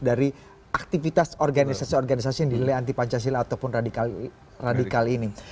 dari aktivitas organisasi organisasi yang dinilai anti pancasila ataupun radikal ini